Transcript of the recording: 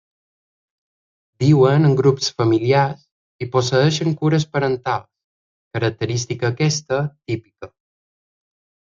Viuen en grups familiars i posseeixen cures parentals, característica aquesta típica.